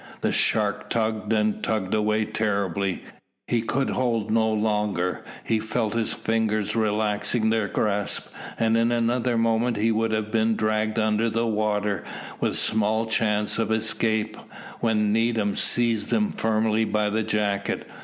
The shark tugged and tugged away terribly. He could hold on no longer. He felt his fingers relaxing their grasp, and in another moment he would have been dragged under the water with small chance of escape, when Needham seized him firmly by the jacket.